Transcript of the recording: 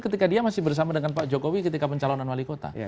ketika dia masih bersama dengan pak jokowi ketika pencalonan wali kota